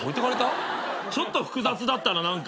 ちょっと複雑だったな何か。